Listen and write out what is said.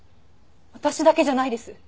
私だけじゃないです